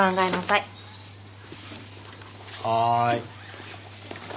はい。